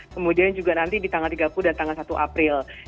kemudian juga nanti di tanggal tiga puluh dan tanggal satu april